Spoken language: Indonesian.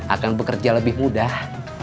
akan bekerja lebih mudah